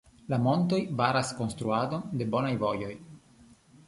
La montoj baras konstruadon de bonaj vojoj.